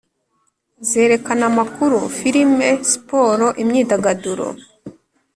zerekana amakuru, filime, siporo, imyidagaduro,